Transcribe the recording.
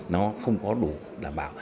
nó không có đủ đảm bảo